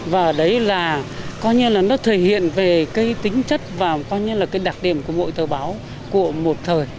và đấy là coi như là nó thể hiện về tính chất và đặc điểm của mỗi tờ báo của một thời